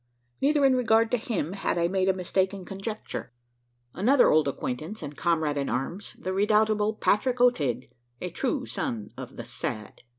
Neither in regard to him had I made a mistaken conjecture. Another old acquaintance and comrade in arms the redoubtable Patrick O'Tigg a true son of the "Sad."